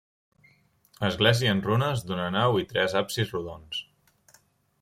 Església en runes d'una nau i tres absis rodons.